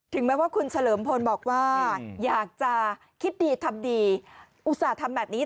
แม้ว่าคุณเฉลิมพลบอกว่าอยากจะคิดดีทำดีอุตส่าห์ทำแบบนี้